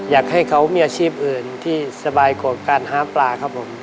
อยากให้เขามีอาชีพอื่นที่สบายกว่าการหาปลาครับผม